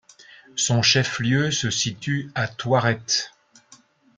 Son chef-lieu se situe à Thoirette.